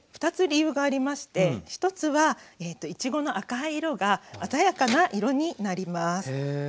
２つ理由がありまして１つはいちごの赤い色が鮮やかな色になります。